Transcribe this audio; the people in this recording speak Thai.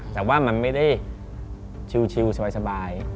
แต่ว่ามันไม่ได้ชิวสบาย